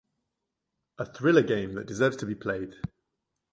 A thriller game that deserves to be played.